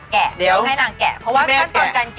เพื่อแสดงความเป็นเจ้าของ